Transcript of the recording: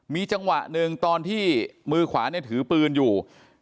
มีจังหวะหนึ่งตอนที่มือขวาเนี่ยถือปืนอยู่